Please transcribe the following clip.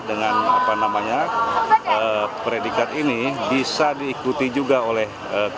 dengan predikat ini bisa diikuti juga oleh